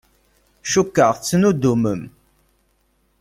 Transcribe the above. Cukkeɣ tettnuddumem.